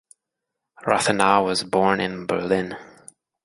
Rathenau was born in Berlin.